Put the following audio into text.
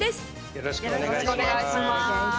よろしくお願いします。